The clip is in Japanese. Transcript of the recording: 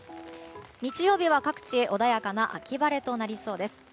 日曜日は各地、穏やかな秋晴れとなりそうです。